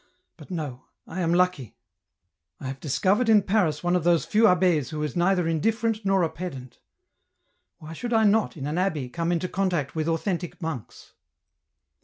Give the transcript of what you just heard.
but no, I am lucky j I have discovered ia ISO EN ROUTE. Paris one of those few abb^s who is neither indifferent nor a pedant ; why should I not, in an abbey, come into contact with authentic monks